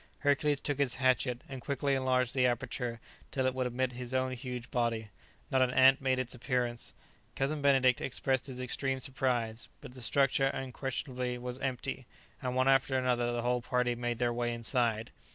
Hercules took his hatchet, and quickly enlarged the aperture till it would admit his own huge body. Not an ant made its appearance. Cousin Benedict expressed his extreme surprise. But the structure unquestionably was empty, and one after another the whole party made their way inside.